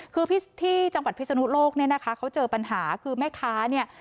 คือที่จังหวัดพิศนุโลกเนี่ยนะคะเขาเจอปัญหาคือแม่ค้าเนี่ย